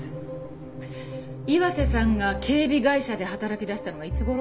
岩瀬さんが警備会社で働きだしたのはいつ頃？